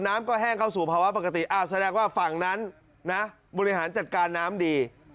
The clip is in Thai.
น้ำก็แห้งเข้าสู่ภาวะปกติอ้าวแสดงว่าฝั่งนั้นนะบริหารจัดการน้ำดี